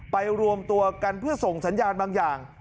รวมตัวกันเพื่อส่งสัญญาณบางอย่าง